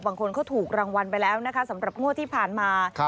บางคนเขาถูกรางวัลไปแล้วนะคะสำหรับงวดที่ผ่านมา